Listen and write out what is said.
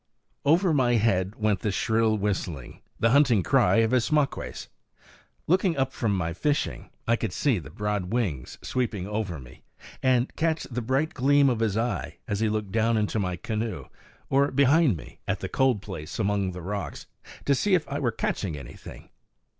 _ over my head went the shrill whistling, the hunting cry of Ismaques. Looking up from my fishing I could see the broad wings sweeping over me, and catch the bright gleam of his eye as he looked down into my canoe, or behind me at the cold place among the rocks, to see if I were catching anything.